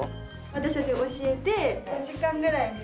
私たちが教えて４時間ぐらいで作る。